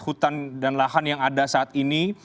hutan dan lahan yang ada saat ini